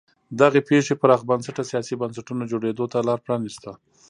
دغې پېښې پراخ بنسټه سیاسي بنسټونو جوړېدو ته لار پرانیسته.